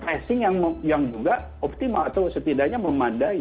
kapasitas testing dan tracing yang juga optimal atau setidaknya memadai